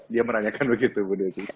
dia menanyakan begitu bu deci